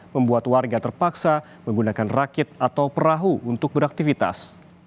membuat warga terpaksa menggunakan rakit atau perahu untuk beraktivitas